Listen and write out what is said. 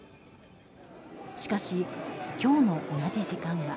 しかし、今日の同じ時間は。